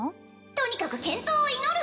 とにかく健闘を祈る